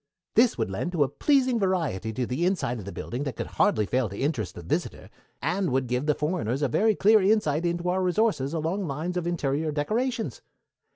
This would lend a pleasing variety to the inside of the building that could hardly fail to interest the visitor, and would give the foreigners a very clear insight into our resources along lines of interior decorations.